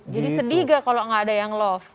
jadi sedih gak kalau gak ada yang love